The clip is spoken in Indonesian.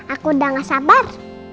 aku udah nggak sabar